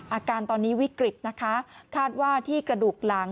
อาการตอนนี้วิกฤตนะคะคาดว่าที่กระดูกหลัง